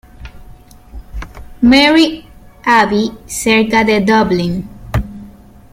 Mary Abbey, cerca de Dublín.